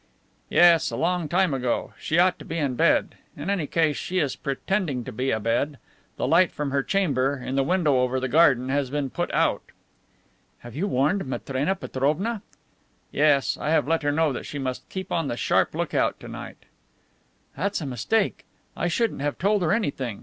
"Yes, a long time ago. She ought to be in bed. In any case she is pretending to be abed. The light from her chamber, in the window over the garden, has been put out." "Have you warned Matrena Petrovna?" "Yes, I have let her know that she must keep on the sharp look out to night." "That's a mistake. I shouldn't have told her anything.